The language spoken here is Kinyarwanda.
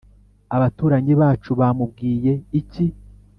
Abaturanyi bacu bamubwiye iki?”